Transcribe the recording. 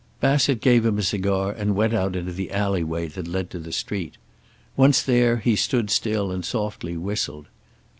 Bassett gave him a cigar and went out into the alley way that led to the street. Once there, he stood still and softly whistled.